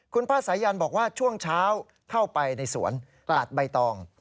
คุณป้าสายันบอกว่าช่วงเช้าเข้าไปในสวนตัดใบตอง